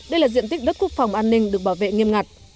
đây là diện tích đất quốc phòng an ninh được bảo vệ nghiêm ngặt